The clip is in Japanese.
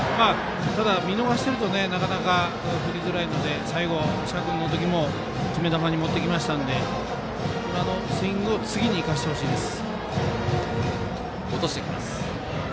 ただ、見逃しているとなかなか振りづらいので謝君の時も決め球に持ってきましたので今のスイングを次に生かしてほしいです。